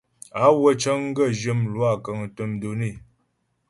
Á wə́ cəŋ gaə̂ zhyə́ mlwâ kə́ŋtə́ données.